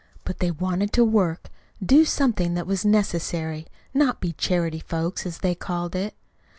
But they wanted to work, do something that was necessary not be charity folks, as they called it."